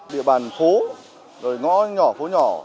địa bàn phố rồi ngõ nhỏ phố nhỏ